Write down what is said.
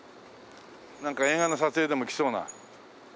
なんか映画の撮影でも来そうな。